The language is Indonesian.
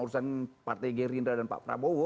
urusan partai gerindra dan pak prabowo